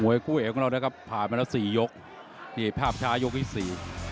มวยกุ้งเองก็แล้วนะครับผ่านมาแล้วสี่ยกนี่ภาพช้ายกอีกสี่